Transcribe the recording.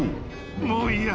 もういいや。